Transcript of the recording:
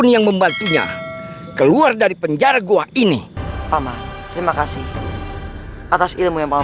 kembali ke penyelamatan